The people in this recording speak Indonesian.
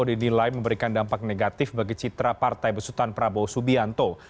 dinilai memberikan dampak negatif bagi citra partai besutan prabowo subianto